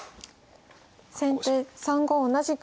先手３五同じく歩。